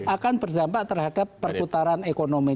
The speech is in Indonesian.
akan berdampak terhadap perputaran ekonomi